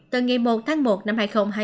từ ngày một tháng một năm hai nghìn hai mươi